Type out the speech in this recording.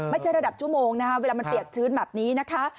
ไม่ใช่ระดับชั่วโมงนะคะเวลามันเปียกชื้นแบบนี้นะคะ